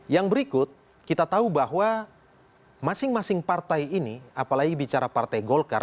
yang berikut kita tahu bahwa masing masing partai ini apalagi bicara partai golkar